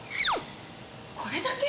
これだけ？